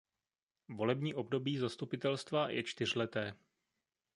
Volební období zastupitelstva je čtyřleté.